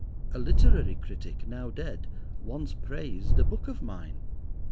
A literary critic, now dead, once praised a book of mine.